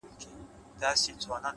د باران پرمهال هره شېبه بدل شکل اخلي